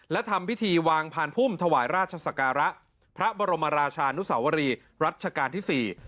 และทำพิธีวางพานพุ่มถวายราชศักระพระบรมราชานุสาวรีรัชกาลที่๔